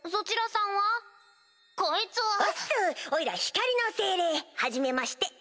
おいら光の精霊はじめまして。